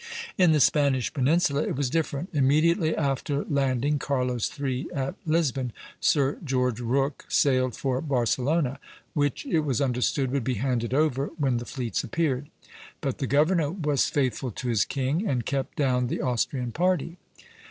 In the Spanish peninsula it was different. Immediately after landing Carlos III. at Lisbon, Sir George Rooke sailed for Barcelona, which it was understood would be handed over when the fleets appeared; but the governor was faithful to his king and kept down the Austrian party.